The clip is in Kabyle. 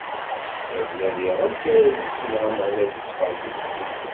Ad nadiɣ amek ara issineɣ Ameɣlal deg uxxam-is.